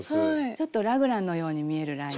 ちょっとラグランのように見えるラインで。